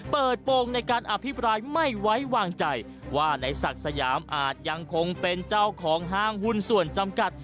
เปิดโปรงในการอภิปรายไม่ไว้วางใจว่าในศักดิ์สยามอาจยังคงเป็นเจ้าของห้างหุ้นส่วนจำกัด